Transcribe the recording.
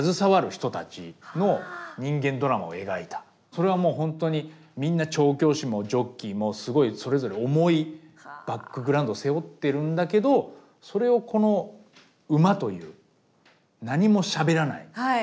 それはもうほんとにみんな調教師もジョッキーもすごいそれぞれ重いバックグラウンド背負ってるんだけどそれをこの馬という何もしゃべらない